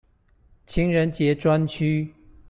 情人節專區